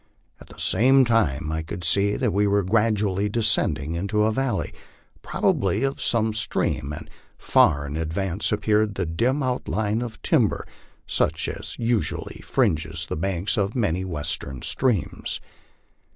At the same time I could see that we were gradually descending into a valley, probably of some stream, and far in advance appeared the dim outline of tim ber, such as usually fringes the banks of many of the Western streams.